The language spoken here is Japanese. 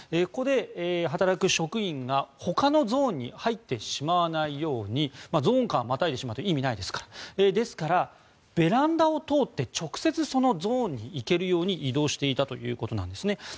ここで働く職員がほかのゾーンに入ってしまわないようにゾーン間をまたいでしまうと意味がないですからですからベランダを通って直接そのゾーンに行けるように移動していたということなんですね。